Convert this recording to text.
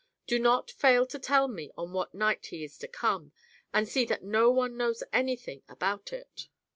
Do not fail to tell me on what night he is to come, and see that no one knows anything about it."